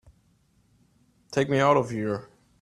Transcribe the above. Take me out of here!